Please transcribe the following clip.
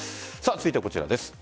続いてはこちらです。